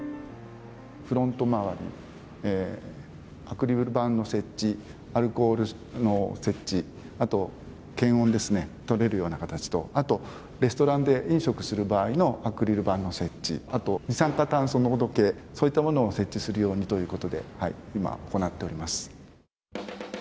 フロント周り、アクリル板の設置、アルコールの設置、あと検温ですね、とれるような形と、あと、レストランで飲食する場合のアクリル板の設置、あと二酸化炭素濃度計、そういったものを設置するようにということで、今、行っております。